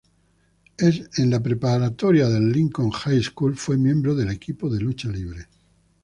En la preparatoria Lincoln High School fue miembro del equipo de lucha libre.